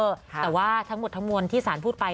แต่ว่าทั้งหมดทั้งมวลที่สารพูดไป